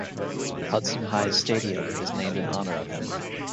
Hudson High's stadium is named in honor of him.